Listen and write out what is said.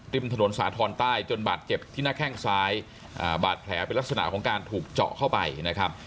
ถนนสาธรณ์ใต้จนบาดเจ็บที่หน้าแข้งซ้ายอ่าบาดแผลเป็นลักษณะของการถูกเจาะเข้าไปนะครับ